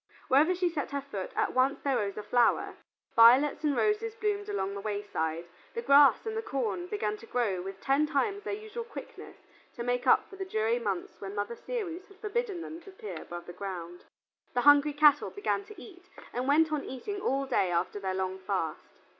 Wherever she set her foot at once there rose a flower: violets and roses bloomed along the wayside; the grass and the corn began to grow with ten times their usual quickness to make up for the dreary months when Mother Ceres had forbidden them to appear above ground. The hungry cattle began to eat, and went on eating all day after their long fast.